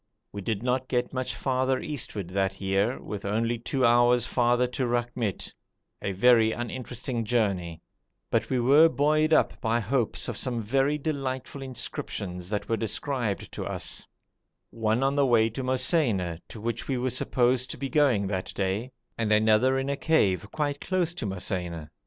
We did not get much farther eastward that year, only two hours farther to Rakhmit, a very uninteresting journey, but we were buoyed up by hopes of some very delightful inscriptions that were described to us: one on the way to Mosaina, to which we were supposed to be going that day, and another in a cave, quite close to Mosaina.